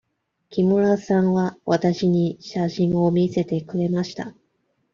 木村さんはわたしに写真を見せてくれました。